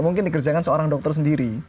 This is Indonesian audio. memang dokter sendiri